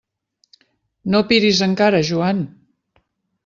No piris encara, Joan!